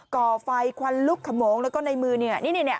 ก่อไฟควันลุกขโมงแล้วก็ในมือเนี่ย